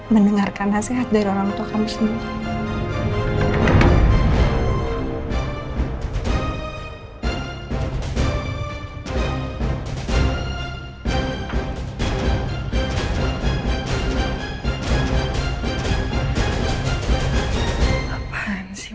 mendengarkan nasihat dari orang tua kamu sendiri